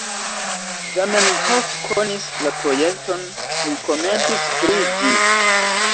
Zamenhof konis la projekton kaj komentis pri ĝi.